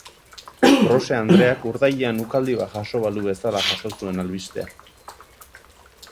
Grose andreak urdailean ukaldi bat jaso balu bezala jaso zuen albistea.